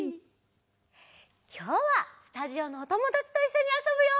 きょうはスタジオのおともだちといっしょにあそぶよ。